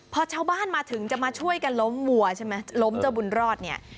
พอชาวบ้านมาถึงจะมาช่วยกันล้มวัวใช่ไหมล้มเจ้าบุญรอดเนี่ย